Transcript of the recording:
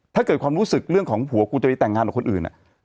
ถ้าเกิดความรู้สึกเรื่องของผัวกูจะไปแต่งงานกับคนอื่น